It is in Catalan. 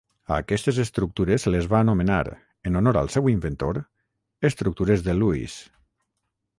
A aquestes estructures se les va anomenar, en honor al seu inventor, estructures de Lewis.